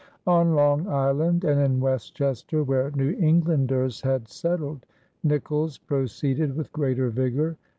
On Long Island and in Westchester where New Englanders had settled, Nicolls proceeded with greater vigor.